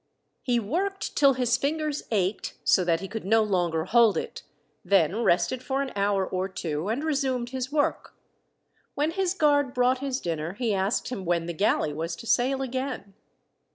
He worked till his fingers ached so that he could no longer hold it, then rested for an hour or two, and resumed his work. When his guard brought his dinner he asked him when the galley was to sail again.